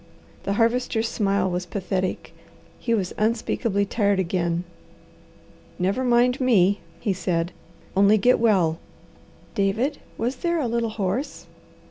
The Harvester's smile was pathetic. He was unspeakably tired again. "Never mind me!" he said. "Only get well." "David, was there a little horse?"